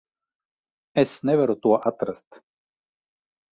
Es nevaru to atrast.